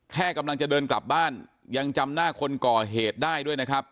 แค่กำลังจะเดินกลับบ้านยังจำหน้าคนก่อเหตุได้ด้วยนะครับ